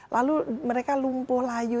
lalu mereka lumpuh layu